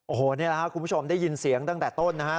โอ้โหนี่แหละครับคุณผู้ชมได้ยินเสียงตั้งแต่ต้นนะฮะ